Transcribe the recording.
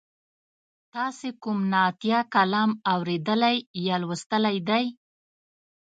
تاسې کوم نعتیه کلام اوریدلی یا لوستلی دی؟